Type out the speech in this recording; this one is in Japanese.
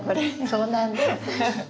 そうなんです。